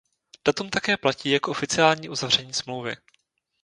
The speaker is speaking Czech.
Datum také platí jako oficiální uzavření smlouvy.